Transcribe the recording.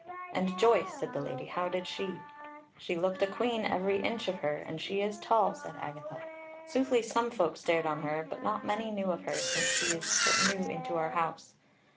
"And Joyce," said the Lady, "how did she?" "She looked a queen, every inch of her, and she is tall," said Agatha: "soothly some folk stared on her, but not many knew of her, since she is but new into our house.